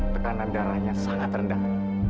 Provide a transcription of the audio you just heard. tekanan darahnya sangat rendah